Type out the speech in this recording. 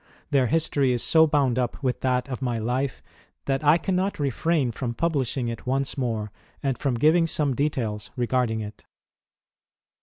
Their history is so bound up with that of my life that I cannot refrain from publishing it once more and from giraig some details regarding it.